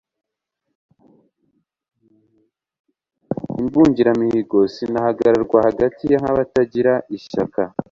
Imbungiramihigo sinahagararwa hagati nk'abatagira ishyaka,